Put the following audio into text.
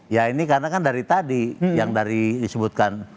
ya ini karena kan dari tadi yang dari disebutkan